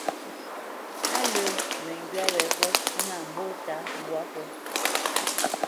Á lə̄ məŋgywá weghó ŋâ mbɔ́ta mbwǎ pō.